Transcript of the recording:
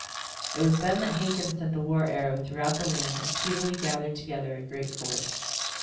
It was then that Hakon sent the war arrow throughout the land and speedily gathered together a great force.